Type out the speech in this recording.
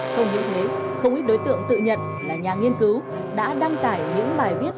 không những thế không ít đối tượng tự nhận là nhà nghiên cứu đã đăng tải những bài viết